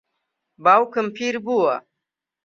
باوکم پیر بووە.